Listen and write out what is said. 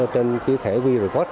trên cái thẻ wereport